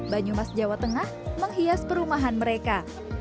banyumas jawa tengah menghias perumahan mereka